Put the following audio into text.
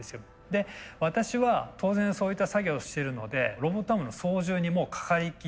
で私は当然そういった作業をしてるのでロボットアームの操縦にもうかかりっきり。